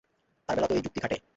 তার বেলাতেও এই যুক্তি খাটে।